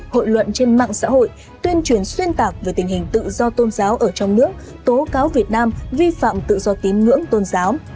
hội luận trên mạng xã hội tuyên truyền xuyên tạc về tình hình tự do tôn giáo ở trong nước tố cáo việt nam vi phạm tự do tín ngưỡng tôn giáo